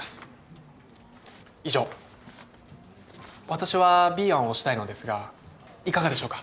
以上私はＢ案を推したいのですがいかがでしょうか？